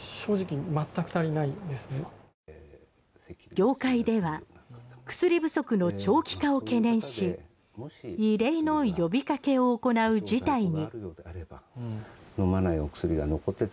業界では薬不足の長期化を懸念し異例の呼びかけを行う事態に。